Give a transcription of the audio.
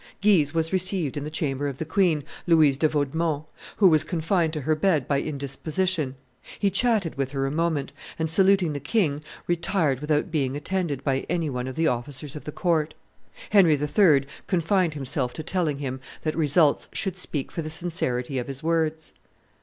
Guise was received in the chamber of the queen, Louise de Vaudemont, who was confined to her bed by indisposition; he chatted with her a moment, and, saluting the king, retired without being attended by any one of the officers of the court. Henry III. confined himself to telling him that results should speak for the sincerity of his words.